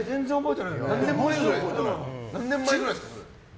何年ぐらい前ですか？